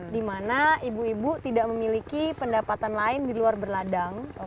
di mana ibu ibu tidak memiliki pendapatan lain di luar berladang